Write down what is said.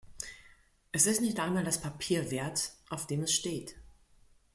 Es ist nicht einmal das Papier wert, auf dem es steht.